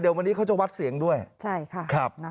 เดี๋ยววันนี้เขาจะวัดเสียงด้วยใช่ค่ะ